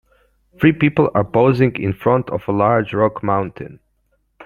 Three people are posing in front of a large rock mountain.